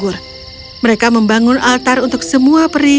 adlichev varias dapat merlukan satu walikanda untuk menyesuaikan troops